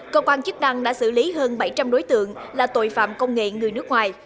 cơ quan chức năng đã xử lý hơn bảy trăm linh đối tượng là tội phạm công nghệ người nước ngoài